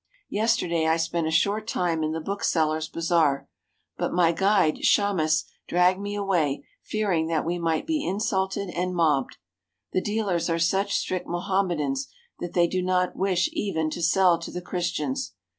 Yesterday I spent a short time in the booksellers' ba zaar, but my guide Shammas dragged me away, fearing that we might be insulted and mobbed. The dealers are such strict Mohammedans that they do not wish even to sell to the Christians.